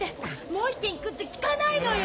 もう一軒行くって聞かないのよ。